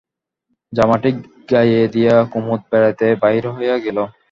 জামাটি গায়ে দিয়া কুমুদ বেড়াইতে বাহির হইয়া গেল।